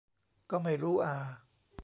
ก็ไม่รู้อ่า